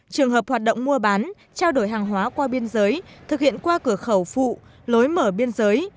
trường hợp hoạt động mua bán trao đổi hàng hóa qua biên giới thực hiện qua cửa khẩu phụ lối mở biên giới